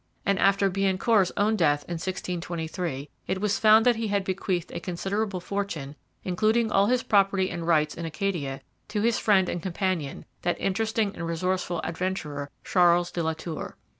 And after Biencourt's own death in 1623, it was found that he had bequeathed a considerable fortune, including all his property and rights in Acadia, to his friend and companion, that interesting and resourceful adventurer, Charles de la Tour.